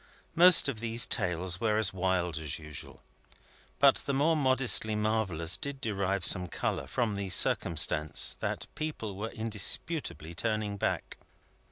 Many of these tales were as wild as usual; but the more modestly marvellous did derive some colour from the circumstance that people were indisputably turning back.